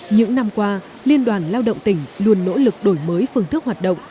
những năm qua liên đoàn lao động tỉnh luôn nỗ lực đổi mới phương thức hoạt động